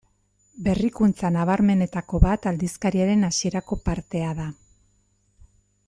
Berrikuntza nabarmenenetako bat aldizkariaren hasierako partea da.